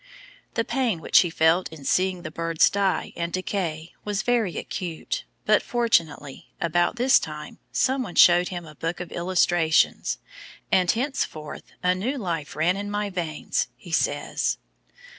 The pain which he felt in seeing the birds die and decay was very acute, but, fortunately, about this time some one showed him a book of illustrations, and henceforth "a new life ran in my veins," he says.